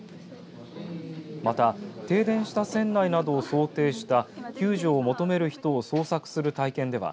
また停電した船内などを想定した救助を求める人を捜索する体験では